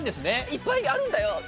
いっぱいあるんだよ。